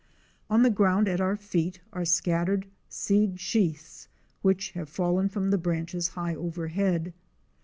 On the ground at our feet are scattered seed sheaths which have fallen from the branches high overhead.